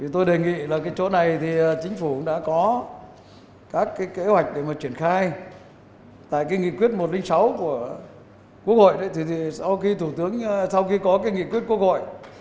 tại kiến nghị quyết một trăm linh sáu của quốc hội sau khi có kiến nghị quyết quốc hội